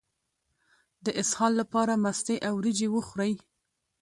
د اسهال لپاره مستې او وریجې وخورئ